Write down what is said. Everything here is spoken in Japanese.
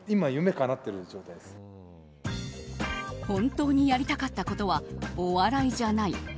本当にやりたかったことはお笑いじゃない。